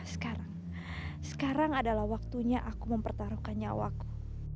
sekarang sekarang adalah waktunya aku mempertaruhkan nyawaku